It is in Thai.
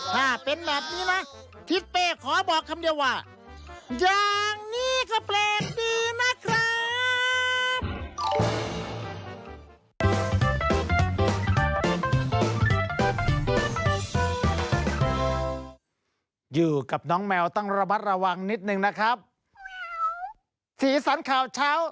ถ้าเป็นแบบนี้นะทิศเต้ขอบอกคำเดียว